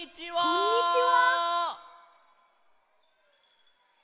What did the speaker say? こんにちは。